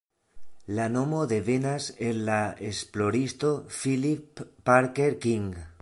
La nomo devenas el la esploristo Phillip Parker King.